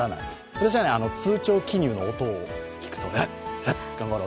私は通帳記入の音を聞くとウッ、ウッ頑張ろう。